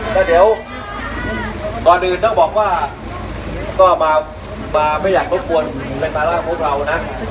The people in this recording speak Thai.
แล้วเดี๋ยวก่อนอื่นต้องบอกว่าก็มาไม่อยากรบกวนเป็นภาระของเรานะ